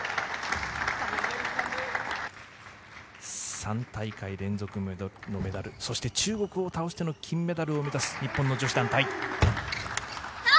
３大会連続のメダル、そして中国を倒しての金メダルを目指す日本の女子団体。